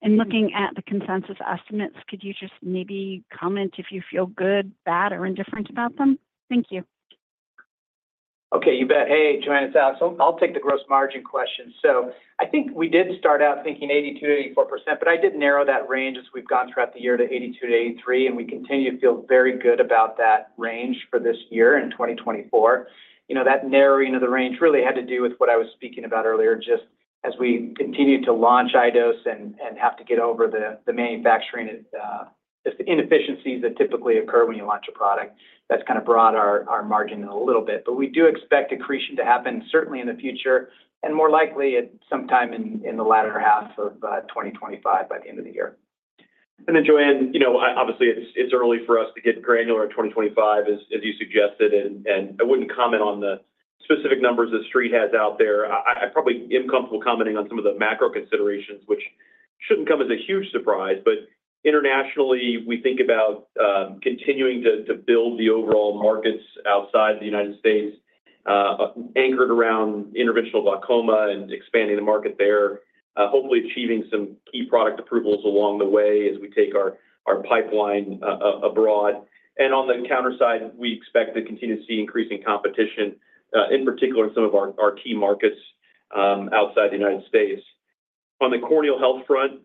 in looking at the consensus estimates, could you just maybe comment if you feel good, bad, or indifferent about them? Thank you. Okay. You bet. Hey, Joanne and Saxon, I'll take the gross margin question. So I think we did start out thinking 82%-84%, but I did narrow that range as we've gone throughout the year to 82%-83%, and we continue to feel very good about that range for this year in 2024. You know, that narrowing of the range really had to do with what I was speaking about earlier, just as we continue to launch iDose and have to get over the manufacturing inefficiencies that typically occur when you launch a product. That's kind of brought our margin a little bit. But we do expect accretion to happen certainly in the future and more likely sometime in the latter half of 2025 by the end of the year. And then, Joanne, you know, obviously, it's early for us to get granular in 2025, as you suggested, and I wouldn't comment on the specific numbers that Street has out there. I probably am comfortable commenting on some of the macro considerations, which shouldn't come as a huge surprise. But internationally, we think about continuing to build the overall markets outside the United States, anchored around interventional glaucoma and expanding the market there, hopefully achieving some key product approvals along the way as we take our pipeline abroad. And on the counter side, we expect to continue to see increasing competition, in particular in some of our key markets outside the United States. On the corneal health front,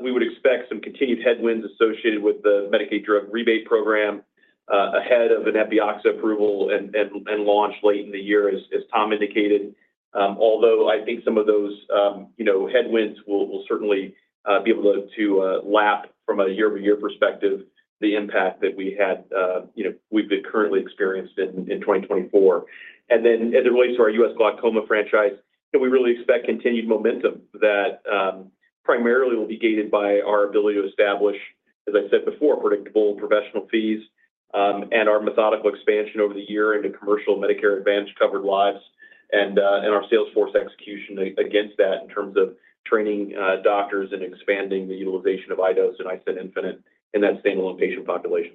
we would expect some continued headwinds associated with the Medicaid Drug Rebate Program ahead of an Epioxa approval and launch late in the year, as Tom indicated. Although I think some of those, you know, headwinds will certainly be able to lap from a year-over-year perspective the impact that we had, you know, we've currently experienced in 2024, and then as it relates to our U.S. glaucoma franchise, you know, we really expect continued momentum that primarily will be gated by our ability to establish, as I said before, predictable professional fees and our methodical expansion over the year into commercial Medicare Advantage covered lives and our salesforce execution against that in terms of training doctors and expanding the utilization of iDose and iStent Infinite in that standalone patient population.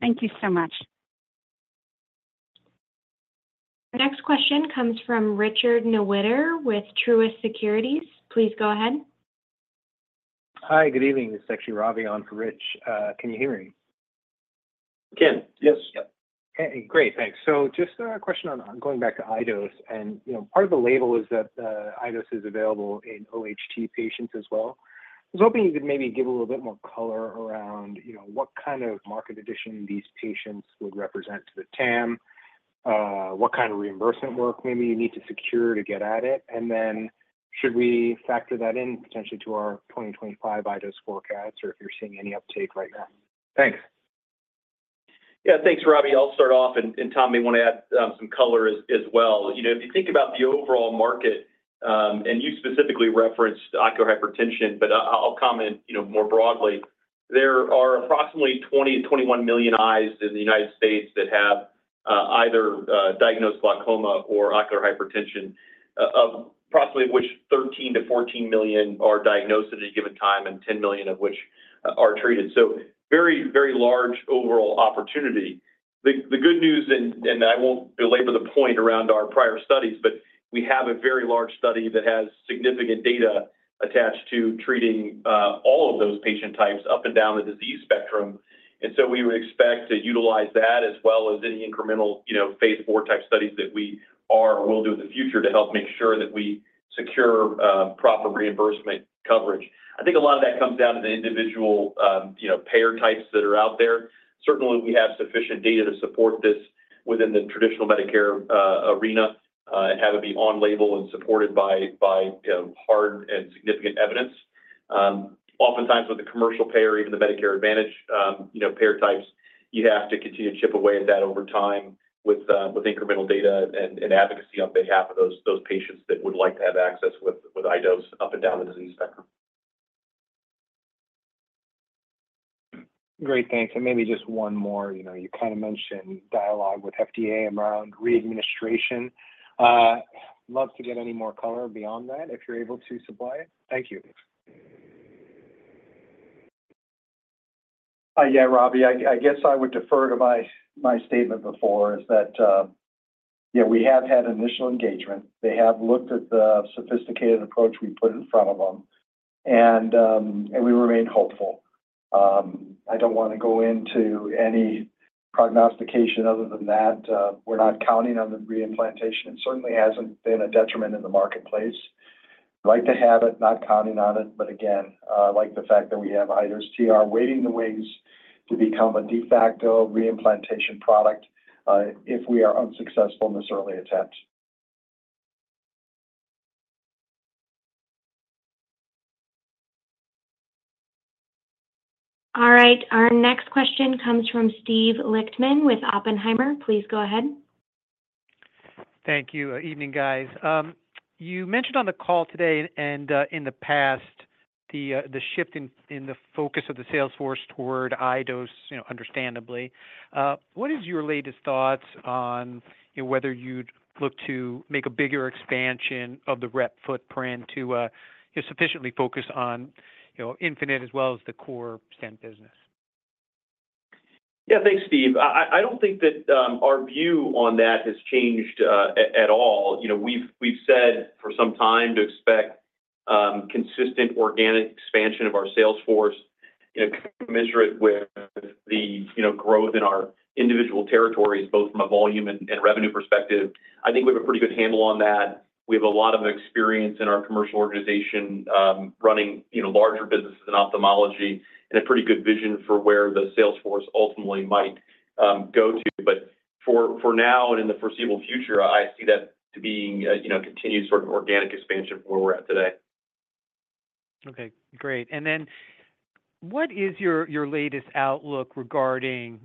Thank you so much. Next question comes from Richard Newitter with Truist Securities. Please go ahead. Hi, good evening. This is actually Ravi on for Rich. Can you hear me? Can, yes. Yep. Hey, great. Thanks. So just a question on going back to iDose. And, you know, part of the label is that iDose is available in OHT patients as well. I was hoping you could maybe give a little bit more color around, you know, what kind of market addition these patients would represent to the TAM, what kind of reimbursement work maybe you need to secure to get at it, and then should we factor that in potentially to our 2025 iDose forecast or if you're seeing any uptake right now? Thanks. Yeah, thanks, Ravi. I'll start off. And Tom, maybe want to add some color as well. You know, if you think about the overall market, and you specifically referenced ocular hypertension, but I'll comment, you know, more broadly. There are approximately 20 million-21 million eyes in the United States that have either diagnosed glaucoma or ocular hypertension, approximately of which 13 million-14 million are diagnosed at a given time and 10 million of which are treated. So very, very large overall opportunity. The good news, and I won't belabor the point around our prior studies, but we have a very large study that has significant data attached to treating all of those patient types up and down the disease spectrum. And so we would expect to utilize that as well as any incremental, you know, phase IV type studies that we are or will do in the future to help make sure that we secure proper reimbursement coverage. I think a lot of that comes down to the individual, you know, payer types that are out there. Certainly, we have sufficient data to support this within the traditional Medicare arena and have it be on label and supported by hard and significant evidence. Oftentimes with the commercial payer, even the Medicare Advantage, you know, payer types, you have to continue to chip away at that over time with incremental data and advocacy on behalf of those patients that would like to have access with iDose up and down the disease spectrum. Great. Thanks, and maybe just one more. You know, you kind of mentioned dialogue with FDA around readministration. Love to get any more color beyond that if you're able to supply it. Thank you. Yeah, Ravi, I guess I would defer to my statement before is that, yeah, we have had initial engagement. They have looked at the sophisticated approach we put in front of them, and we remain hopeful. I don't want to go into any prognostication other than that. We're not counting on the reimplantation. It certainly hasn't been a detriment in the marketplace. I'd like to have it, not counting on it. But again, I like the fact that we have iDose TR waiting in the wings to become a de facto reimplantation product if we are unsuccessful in this early attempt. All right. Our next question comes from Steve Lichtman with Oppenheimer. Please go ahead. Thank you. Evening, guys. You mentioned on the call today and in the past the shift in the focus of the salesforce toward iDose, you know, understandably. What is your latest thoughts on whether you'd look to make a bigger expansion of the rep footprint to sufficiently focus on, you know, Infinite as well as the core stent business? Yeah, thanks, Steve. I don't think that our view on that has changed at all. You know, we've said for some time to expect consistent organic expansion of our salesforce, you know, commensurate with the, you know, growth in our individual territories, both from a volume and revenue perspective. I think we have a pretty good handle on that. We have a lot of experience in our commercial organization running, you know, larger businesses in ophthalmology and a pretty good vision for where the salesforce ultimately might go to. But for now and in the foreseeable future, I see that as being, you know, a continued sort of organic expansion from where we're at today. Okay. Great. And then what is your latest outlook regarding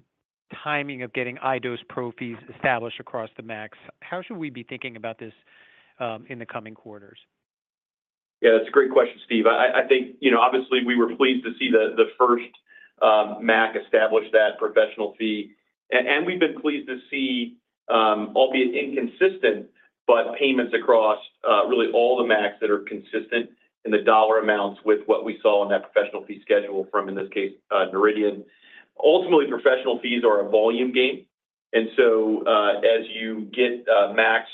timing of getting iDose pro fees established across the MACs? How should we be thinking about this in the coming quarters? Yeah, that's a great question, Steve. I think, you know, obviously we were pleased to see the first MAC establish that professional fee. And we've been pleased to see, albeit inconsistent, but payments across really all the MACs that are consistent in the dollar amounts with what we saw in that professional fee schedule from, in this case, Noridian. Ultimately, professional fees are a volume gain. And so as you get MACs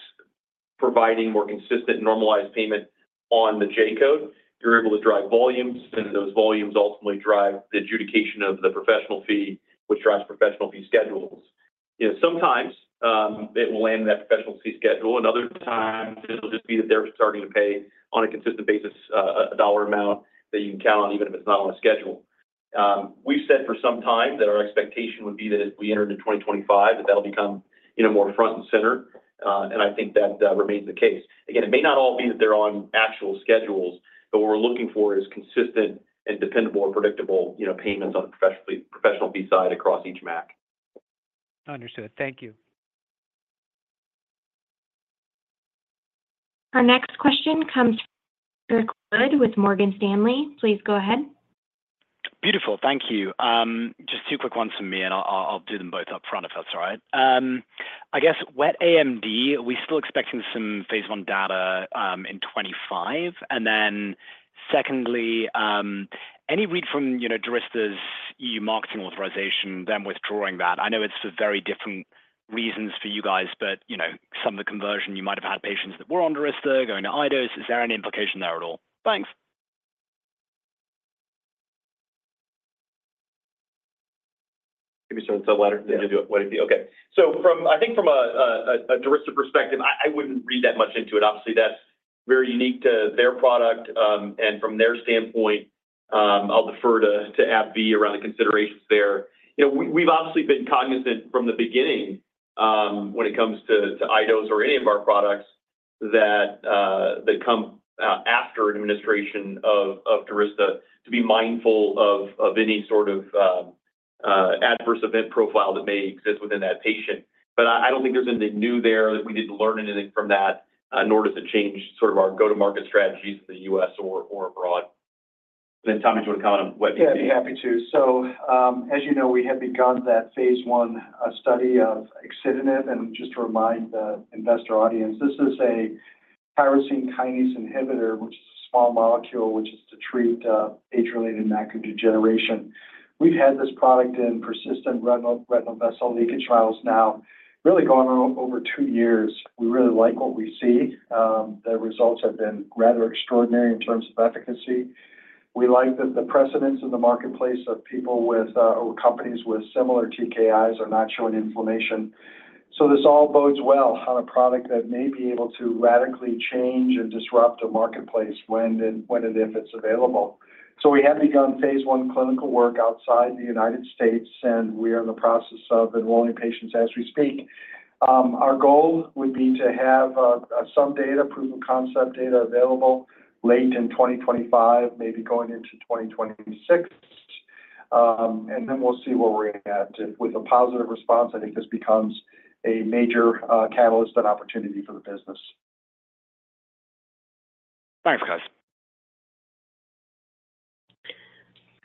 providing more consistent normalized payment on the J-code, you're able to drive volumes, and those volumes ultimately drive the adjudication of the professional fee, which drives professional fee schedules. You know, sometimes it will land in that professional fee schedule. Another time, it'll just be that they're starting to pay on a consistent basis, a dollar amount that you can count on even if it's not on a schedule. We've said for some time that our expectation would be that if we entered in 2025, that that'll become, you know, more front and center, and I think that remains the case. Again, it may not all be that they're on actual schedules, but what we're looking for is consistent and dependable or predictable, you know, payments on the professional fee side across each MAC. Understood. Thank you. Our next question comes from Eric Wood with Morgan Stanley. Please go ahead. Beautiful. Thank you. Just two quick ones from me, and I'll do them both up front if that's all right. I guess, Wet AMD, are we still expecting some phase I data in 2025? And then secondly, any read from, you know, Durysta's EU marketing authorization, them withdrawing that? I know it's for very different reasons for you guys, but, you know, some of the conversion, you might have had patients that were on Durysta going to iDose. Is there any implication there at all? Thanks. Give me a second. Okay. So from, I think from a Durysta perspective, I wouldn't read that much into it. Obviously, that's very unique to their product. And from their standpoint, I'll defer to AbbVie around the considerations there. You know, we've obviously been cognizant from the beginning when it comes to iDose or any of our products that come after administration of Durysta to be mindful of any sort of adverse event profile that may exist within that patient. But I don't think there's anything new there that we didn't learn anything from that, nor does it change sort of our go-to-market strategies in the U.S. or abroad. And then Tom, if you want to comment on Wet AMD. Yeah, happy to. So as you know, we have begun that phase I study of axitinib. And just to remind the investor audience, this is a tyrosine kinase inhibitor, which is a small molecule which is to treat age-related macular degeneration. We've had this product in persistent retinal vessel leakage trials now, really going on over two years. We really like what we see. The results have been rather extraordinary in terms of efficacy. We like that the precedents in the marketplace of people with or companies with similar TKIs are not showing inflammation. So this all bodes well on a product that may be able to radically change and disrupt a marketplace when and if it's available. So we have begun phase I clinical work outside the United States, and we are in the process of enrolling patients as we speak. Our goal would be to have some data, proof of concept data available late in 2025, maybe going into 2026. And then we'll see where we're at. If with a positive response, I think this becomes a major catalyst and opportunity for the business. Thanks, guys.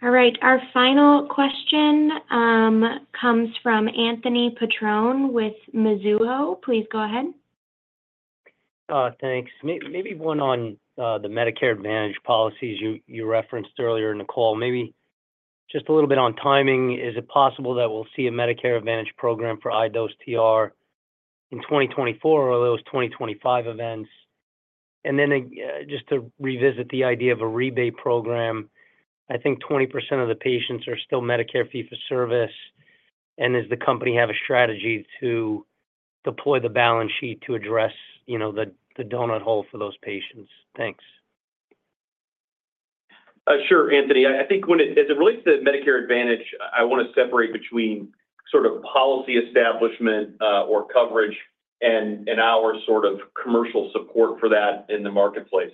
All right. Our final question comes from Anthony Petrone with Mizuho. Please go ahead. Thanks. Maybe one on the Medicare Advantage policies you referenced earlier, Nicole. Maybe just a little bit on timing. Is it possible that we'll see a Medicare Advantage program for iDose TR in 2024 or those 2025 events? And then just to revisit the idea of a rebate program, I think 20% of the patients are still Medicare Fee-For-Service. And does the company have a strategy to deploy the balance sheet to address, you know, the donut hole for those patients? Thanks. Sure, Anthony. I think, as it relates to Medicare Advantage, I want to separate between sort of policy establishment or coverage and our sort of commercial support for that in the marketplace.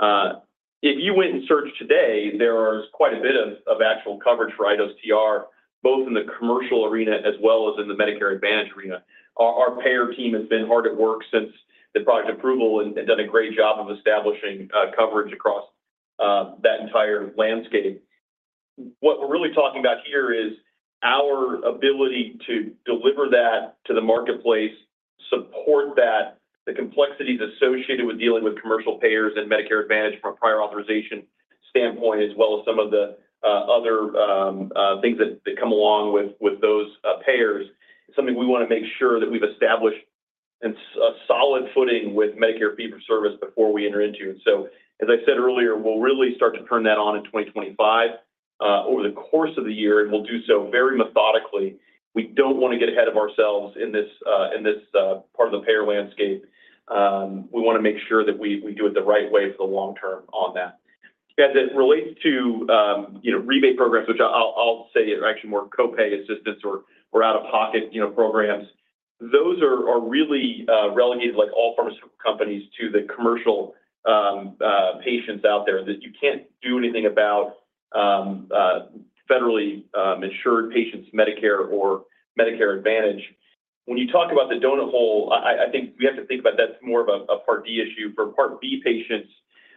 If you went and searched today, there is quite a bit of actual coverage for iDose TR, both in the commercial arena as well as in the Medicare Advantage arena. Our payer team has been hard at work since the product approval and done a great job of establishing coverage across that entire landscape. What we're really talking about here is our ability to deliver that to the marketplace, support that, the complexities associated with dealing with commercial payers and Medicare Advantage from a prior authorization standpoint, as well as some of the other things that come along with those payers. It's something we want to make sure that we've established a solid footing with Medicare Fee-For-Service before we enter into it. So as I said earlier, we'll really start to turn that on in 2025 over the course of the year, and we'll do so very methodically. We don't want to get ahead of ourselves in this part of the payer landscape. We want to make sure that we do it the right way for the long term on that. As it relates to, you know, rebate programs, which I'll say are actually more copay assistance or out-of-pocket, you know, programs, those are really relegated, like all pharmaceutical companies, to the commercial patients out there that you can't do anything about federally insured patients' Medicare or Medicare Advantage. When you talk about the donut hole, I think we have to think about, that's more of a Part D issue. For Part B patients,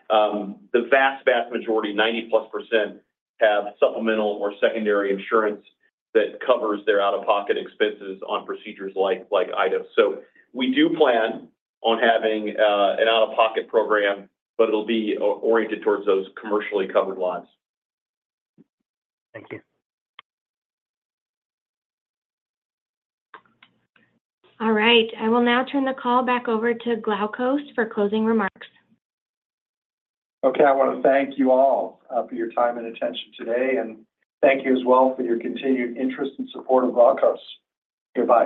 the vast, vast majority, 90+%, have supplemental or secondary insurance that covers their out-of-pocket expenses on procedures like iDose. So we do plan on having an out-of-pocket program, but it'll be oriented towards those commercially covered lives. Thank you. All right. I will now turn the call back over to Glaukos for closing remarks. Okay. I want to thank you all for your time and attention today, and thank you as well for your continued interest and support of Glaukos. Goodbye.